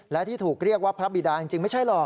และที่ถูกเรียกว่าพระบิดาจริงไม่ใช่หรอก